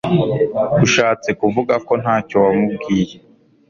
Ushatse kuvuga ko ntacyo wamubwiye